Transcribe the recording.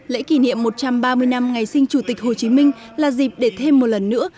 lễ kỷ niệm một trăm ba mươi năm ngày sinh chủ tịch hồ chí minh là dịp để thêm một lần nữa